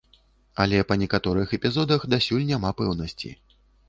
Але па некаторых эпізодах дасюль няма пэўнасці.